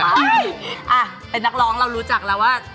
อ่ะเป็นนักร้องเรารู้จักแล้วว่า